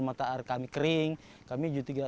mata air kami kering kami juga